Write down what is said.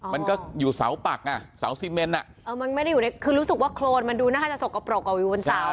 มันก็อยู่เสาปักอ่ะเสาซีเมนอ่ะเออมันไม่ได้อยู่ในคือรู้สึกว่าโครนมันดูน่าจะสกปรกอยู่บนเสา